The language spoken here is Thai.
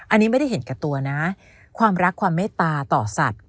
อันนี้ไม่ได้เห็นแก่ตัวนะความรักความเมตตาต่อสัตว์